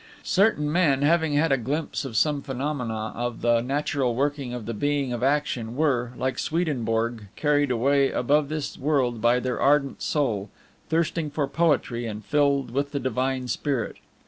Certain men, having had a glimpse of some phenomena of the natural working of the Being of Action, were, like Swedenborg, carried away above this world by their ardent soul, thirsting for poetry, and filled with the Divine Spirit.